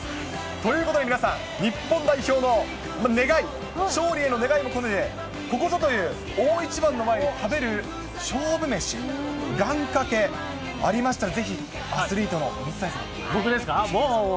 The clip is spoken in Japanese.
ということで皆さん、日本代表の願い、勝利への願いも込めて、ここぞという大一番の前に食べる勝負飯、願掛けありましたら、僕ですか。